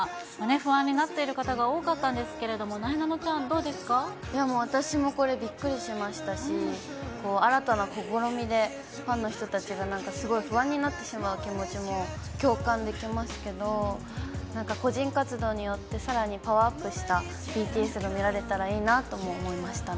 不安になっている方が多かったんですけれども、なえなのちゃん、私もこれ、びっくりしましたし、新たな試みでファンの人たちがなんかすごい不安になってしまう気持ちも共感できますけど、なんか個人活動によって、さらにパワーアップしたＢＴＳが見られたらいいなとも思いました